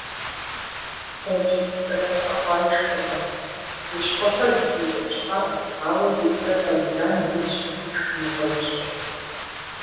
Бэджым псэхэлIэ хъуа ишхыркъым, и щхъухьыр зыхиутIыпщхьа, ауэ зи псэр хэмыкIам илщ шхыныгъуэ ищIыр.